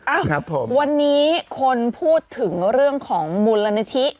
ครับผมวันนี้คนพูดถึงเรื่องของมูลนิธิ